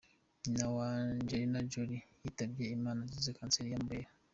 Nyina wa Angelina Jolie yitabye Imana azize kanseri y'amabere.